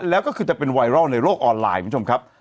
แล้วก็คือจะเป็นไวรัลในโลกออนไลน์คุณผู้ชมครับ